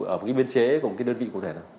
ở cái biên chế của một cái đơn vị cụ thể nào